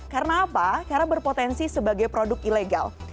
karena apa karena berpotensi sebagai produk ilegal